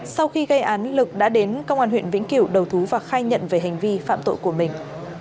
sau khi gây án lực đã đến công an huyện vĩnh kiểu đầu thú và khai nhận về hành vi phạm tội của mình